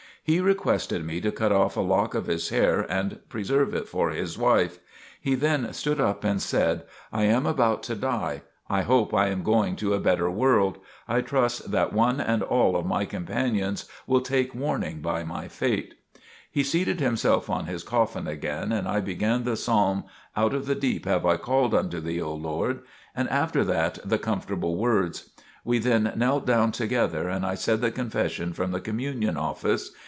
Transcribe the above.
He requested me to cut off a lock of his hair and preserve it for his wife. He then stood up and said: "I am about to die. I hope I am going to a better world. I trust that one and all of my companions will take warning by my fate." He seated himself on his coffin again and I began the Psalm: "Out of the deep have I called unto Thee, O Lord," and after that the "Comfortable words." We then knelt down together, and I said the Confession from the Communion Office.